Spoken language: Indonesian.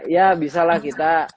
ya bisalah kita